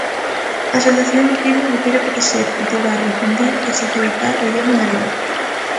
A asociación afirma que quere protexer, cultivar, difundir e socializar o idioma galego.